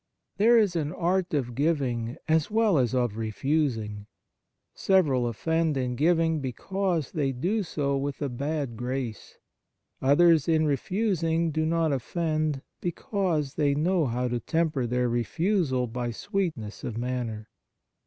There is an art of giving as well as of refusing. Several offend in giving because they do so with a bad grace ; others in refusing do not offend because they know how to temper their refusal by sweetness of manner.